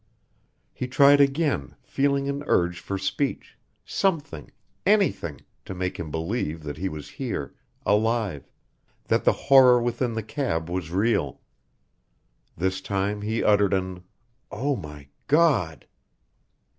He tried again, feeling an urge for speech something, anything, to make him believe that he was here, alive that the horror within the cab was real. This time he uttered an "Oh, my God!"